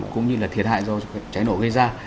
cũng như là thiệt hại do cháy nổ gây ra